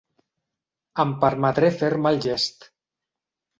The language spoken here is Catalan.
Em permetré fer-me el llest.